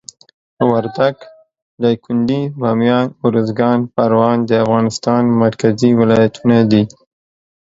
وردګ، دایکندي، بامیان، اروزګان، پروان د افغانستان مرکزي ولایتونه دي.